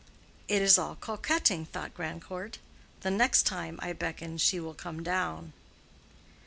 "It is all coquetting," thought Grandcourt; "the next time I beckon she will come down."